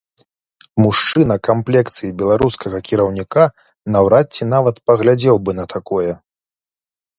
Мужчына камплекцыі беларускага кіраўніка наўрад ці нават паглядзеў бы на такое.